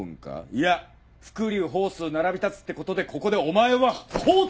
いや伏竜鳳雛並び立つってことでここでお前はほう統だ！